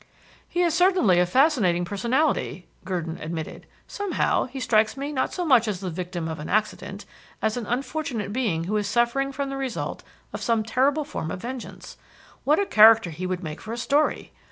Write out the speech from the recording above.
"He is certainly a fascinating personality," Gurdon admitted. "Somehow, he strikes me not so much as the victim of an accident as an unfortunate being who is suffering from the result of some terrible form of vengeance. What a character he would make for a story!